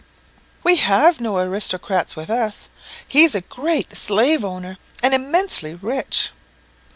"We have no aristocrats with us. He's a great slave owner, and immensely rich."